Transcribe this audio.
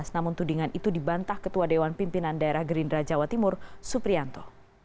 namun tudingan itu dibantah ketua dewan pimpinan daerah gerindra jawa timur suprianto